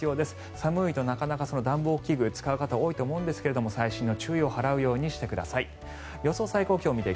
寒いと、なかなか暖房器具を使う方多いと思うんですが細心の注意を払うようにしてください。